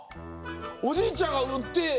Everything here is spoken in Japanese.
おじいちゃんがうってえっ！